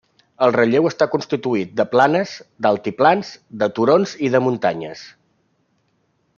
El relleu està constituït de planes, d'altiplans, de turons i de muntanyes.